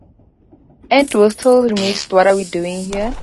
Entwistle remixed What Are We Doing Here?